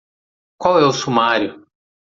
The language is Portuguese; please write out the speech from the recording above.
Qual é o sumário?